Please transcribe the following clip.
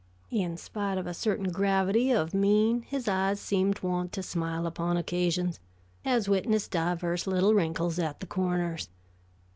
In spite of a certain gravity of mien, his eyes seemed wont to smile upon occasions, as witnessed divers little wrinkles at the corners.